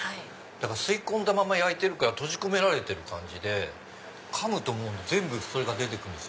吸い込んだまま焼いてるから閉じ込められてる感じでかむと全部それが出てくるんです